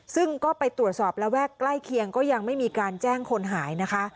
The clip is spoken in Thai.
ซึ่งก็ไปตรวจสอบระแวกใกล้เคียงก็ยังไม่มีการแจ้งคนหายนะคะ